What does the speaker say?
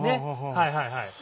はいはいはい。